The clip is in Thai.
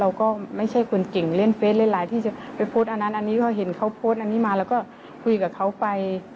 เราก็ไม่ใช่คนเก่งเล่นเฟสเล่นไลน์ที่จะไปโพสต์อันนั้นอันนี้เขาเห็นเขาโพสต์อันนี้มาแล้วก็คุยกับเขาไป